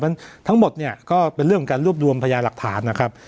เพราะฉะนั้นทั้งหมดเนี่ยก็เป็นเรื่องการรวบรวมพยานหลักฐานนะครับ